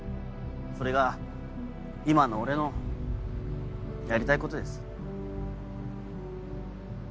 それが今の俺のやりたいことです。